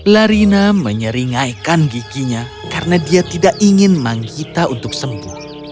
larina menyeringaikan giginya karena dia tidak ingin manggita untuk sembuh